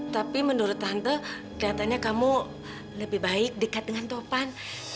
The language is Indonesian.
tapi menurut tante kelihatannya kamu lebih baik dekat dengan topan